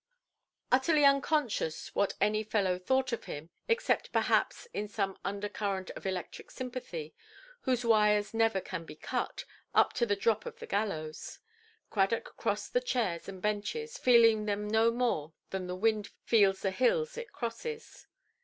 Utterly unconscious what any fellow thought of him (except perhaps in some under–current of electric sympathy, whose wires never can be cut, up to the drop of the gallows), Cradock crossed the chairs and benches, feeling them no more than the wind feels the hills it crosses.